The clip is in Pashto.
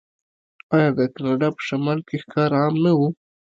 آیا د کاناډا په شمال کې ښکار عام نه و؟